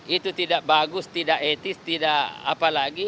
itu tidak bagus tidak etis tidak apa lagi